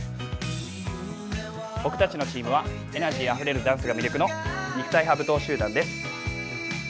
僕たちのチームはエナジーあふれるダンスが魅力の肉体派舞闘集団です。